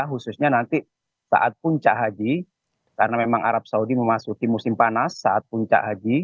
khususnya nanti saat puncak haji karena memang arab saudi memasuki musim panas saat puncak haji